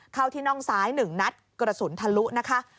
เข้าที่น่องซ้าย๑นัดกระสุนทะลุนะคะ